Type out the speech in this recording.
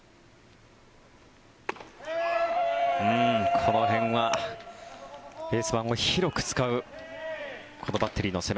この辺はベース板を広く使うこのバッテリーの攻め。